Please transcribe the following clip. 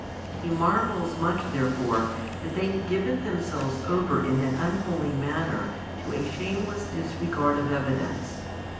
He marvels much therefore that they had given themselves over in an unholy manner to a shameless disregard of evidence.